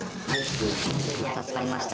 助かりました。